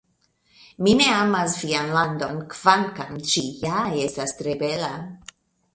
Mi ne amas vian landon, kvankam ĝi ja estas tre bela.